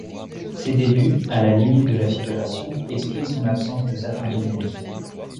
Ses débuts, à la limite de la figuration, expliquent son absence de certains génériques.